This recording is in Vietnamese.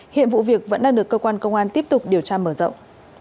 hiện vụ việc vẫn đang được cơ quan công an tiếp tục điều tra mở rộng